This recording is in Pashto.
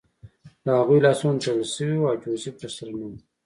د هغوی لاسونه تړل شوي وو او جوزف ورسره نه و